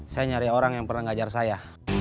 saya nyari orang yang pernah ngajar saya